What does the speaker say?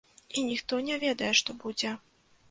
І ніхто не ведае, што будзе.